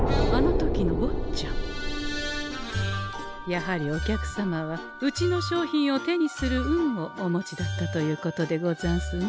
やはりお客様はうちの商品を手にする運をお持ちだったということでござんすね。